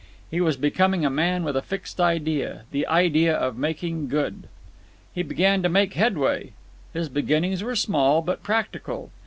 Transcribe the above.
He was becoming a man with a fixed idea—the idea of making good. He began to make headway. His beginnings were small, but practical.